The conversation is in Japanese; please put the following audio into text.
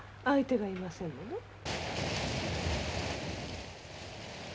相手がいませんもの。